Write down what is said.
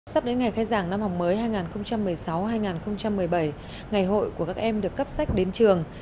sắp đến ngày khai giảng năm học mới hai nghìn một mươi sáu hai nghìn một mươi bảy ngày hội của các em được cấp sách đến trường